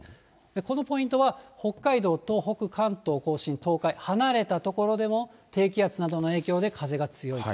このポイントは北海道、東北、関東甲信、東海、離れた所でも低気圧などの影響で風が強い。